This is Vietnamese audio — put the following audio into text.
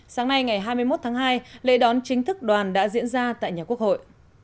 sáng nay ngày hai mươi một tháng hai lễ đón chính thức đoàn đã diễn ra tại nhà quốc hội